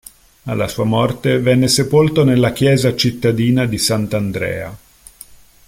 Alla sua morte venne sepolto nella chiesa cittadina di Sant'Andrea.